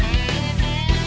saya yang menang